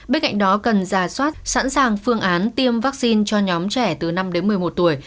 bên cạnh đó cần ra soát sẵn sàng phương án tiêm vaccine cho nhóm trẻ từ năm đến một mươi một tuổi